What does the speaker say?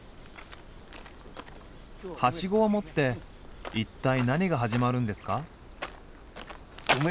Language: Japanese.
はしごを持って一体何が始まるんですか？